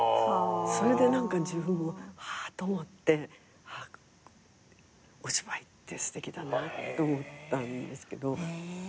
それで何か自分もはぁと思ってお芝居ってすてきだなと思ったんですけど。